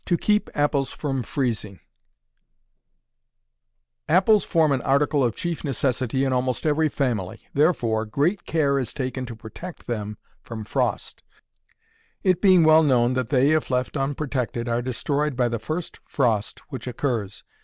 To Keep Apples from Freezing. Apples form an article of chief necessity in almost every family; therefore, great care is taken to protect them from frost; it being well known that they, if left unprotected, are destroyed by the first frost which occurs.